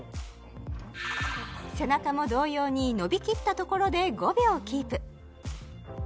背中も同様にのび切ったところで５秒キープ